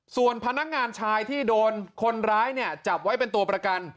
ส่วนพนักงานชายที่โดนคนร้ายเนี่ยจับไว้เป็นตัวประกัน